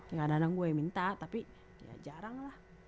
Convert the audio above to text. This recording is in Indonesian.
tidak ada yang gue minta tapi ya jarang lah